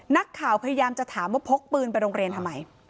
นักข่าวพยายามจะถามว่าพกปืนไปโรงเรียนทำไม